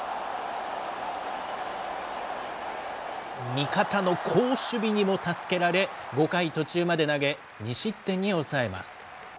味方の好守備にも助けられ、５回途中まで投げ、２失点に抑えます。